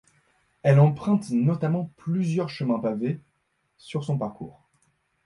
Elle emprunte notamment plusieurs chemins pavés sur son parcours.